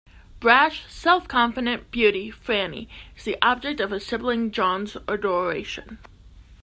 Brash, self-confident beauty Franny, is the object of her sibling John's adoration.